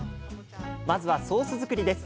まずはソース作りです。